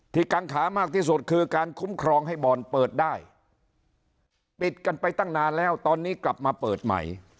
กังขามากที่สุดคือการคุ้มครองให้บ่อนเปิดได้ปิดกันไปตั้งนานแล้วตอนนี้กลับมาเปิดใหม่